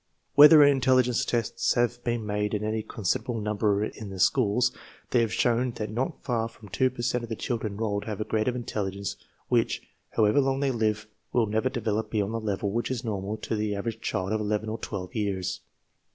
Wherever intelligence tests have been made in any con siderable number in the schools, they have shown that not far from % per cent of the children enrolled have a grade of intelligence which, however long they live, will never develop beyond the level which is normal to the average child of 11 or 1 years.